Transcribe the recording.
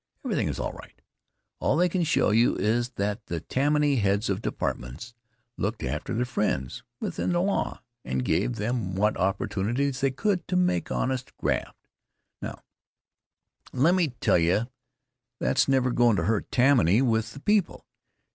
Everything is all right. All they can show is that the Tammany heads of departments looked after their friends, within the law, and gave them what opportunities they could to make honest graft. Now, let me tell you that's never goin' to hurt Tammany with the people.